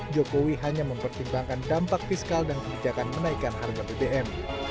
jokowi hanya mempertimbangkan dampak fiskal dan kebijakan menaikkan harga bbm